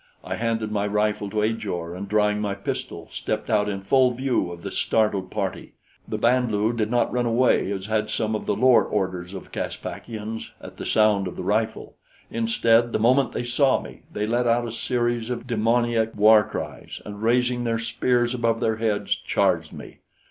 I handed my rifle to Ajor, and drawing my pistol, stepped out in full view of the startled party. The Band lu did not run away as had some of the lower orders of Caspakians at the sound of the rifle. Instead, the moment they saw me, they let out a series of demoniac war cries, and raising their spears above their heads, charged me.